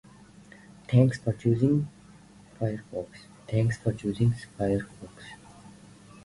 And the pain also made reading and studying very difficult.